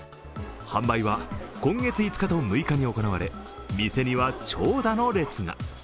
販売は今月５日と６日に行われ、店には長蛇の列が。